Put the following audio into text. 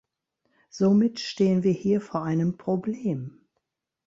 Somit stehen wir hier vor einem Problem.